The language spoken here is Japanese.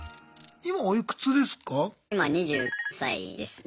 今おいくつですか？